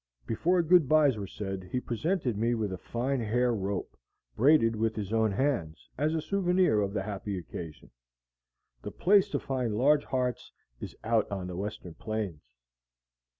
Before good byes were said he presented me with a fine hair rope, braided with his own hands, as a souvenir of the happy occasion. The place to find large hearts is out on the western plains!